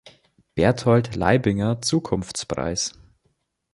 Berthold Leibinger Zukunftspreis